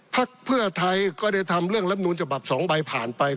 ภักดิ์เพื่อไทยก็ได้ทำเรื่องรับหนุนจบับ๒ใบผ่านไป